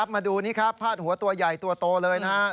มาดูนี่ครับพาดหัวตัวใหญ่ตัวโตเลยนะครับ